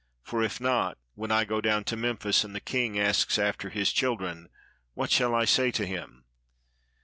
For if not, when I go down to Memphis, and the king asks after his children, what shall I say to him?